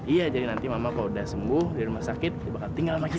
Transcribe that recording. iya jadi nanti kalau mama udah sembuh di rumah sakit dia bakal tinggal sama kita